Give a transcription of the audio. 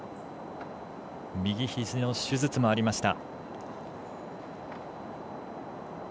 右ひじの手術もありました。